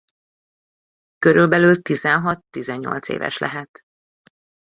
Körülbelül tizenhat-tizennyolc éves lehet.